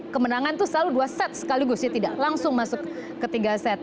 kemenangan itu selalu dua set sekaligus ya tidak langsung masuk ke tiga set